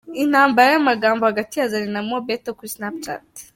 Intambara y’amagambo hagati ya Zari na Mobeto kuri Snapchat.